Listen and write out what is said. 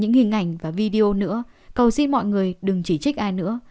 những hình ảnh và video nữa cầu xin mọi người đừng chỉ trích ai nữa